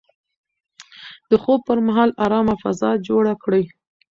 د خوب پر مهال ارامه فضا جوړه کړئ.